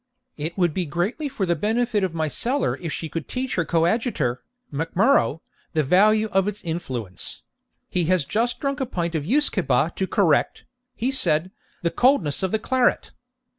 It would be greatly for the benefit of my cellar if she could teach her coadjutor, Mac Murrough, the value of its influence: he has just drunk a pint of usquebaugh to correct, he said, the coldness of the claret.